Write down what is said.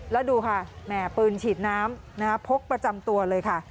แล้วดูค่ะแหม่ปืนฉีดน้ำพกประจำตัวเลยค่ะ